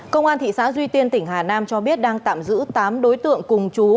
công an thị xã duy tiên tỉnh hà nam cho biết đang tạm giữ tám đối tượng cùng chú